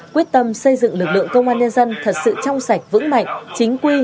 quyết tâm xây dựng lực lượng công an nhân dân thật sự trong sạch vững mạnh chính quy